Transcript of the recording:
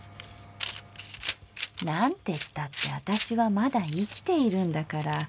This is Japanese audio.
なんてったって私はまだ生きているんだから。